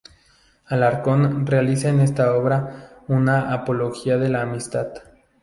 Alarcón realiza en esta obra una apología de la amistad.